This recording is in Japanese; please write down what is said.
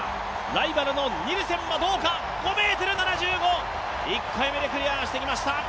ライバルのニルセンはどうか、５ｍ７５１回目でクリアしてきました。